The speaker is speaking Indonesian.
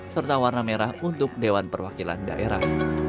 serta warna merah untuk dewan perwakilan daerah